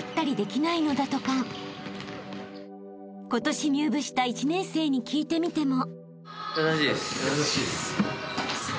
［今年入部した１年生に聞いてみても］